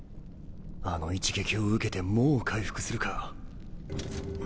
あの一撃を受けてもう回復するか。